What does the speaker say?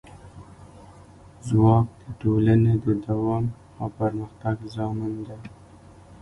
ځواک د ټولنې د دوام او پرمختګ ضامن دی.